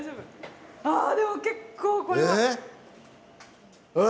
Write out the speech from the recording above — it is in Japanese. あでも結構これは。え？